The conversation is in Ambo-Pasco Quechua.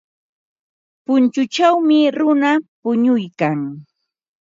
Punkuchawmi runa punuykan.